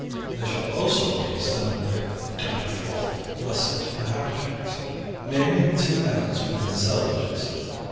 There shall also be a standard width of dyed cloth, russett, and haberject, namely two ells within the selvedges.